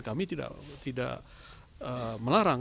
kami tidak melarang